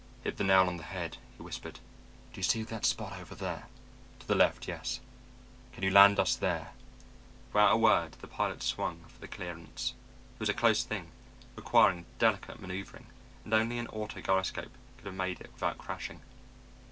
"Hit the nail on the head," he whispered. "Do you see that spot over there? To the left, yes. Can you land us there?" Without a word the pilot swung for the clearance. It was a close thing, requiring delicate maneuvering, and only an auto gyroscope could have made it without crashing.